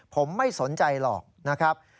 ผมไม่สนใจหรอกนะครับ